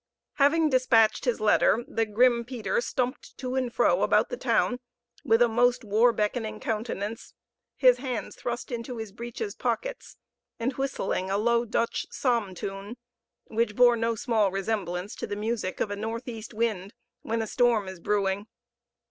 Having despatched his letter, the grim Peter stumped to and fro about the town, with a most war betokening countenance, his hands thrust into his breeches pockets, and whistling a low Dutch psalm tune, which bore no small resemblance to the music of a northeast wind, when a storm is brewing.